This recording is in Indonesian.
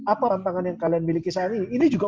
apa tantangan yang kalian miliki saat ini ini juga